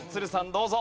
どうぞ。